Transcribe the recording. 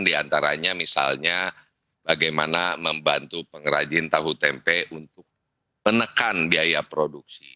di antaranya misalnya bagaimana membantu pengrajin tahu tempe untuk menekan biaya produksi